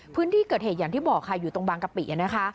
พื้นที่เกิดเหตุอย่างที่บอกค่ะอยู่ตรงบางกะปินะคะ